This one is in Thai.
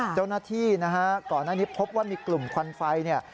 เจ้าหน้าที่ก่อนหน้านี้พบว่ามีกลุ่มควันไฟ